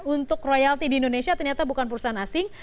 untuk royalti di indonesia ternyata bukan perusahaan asing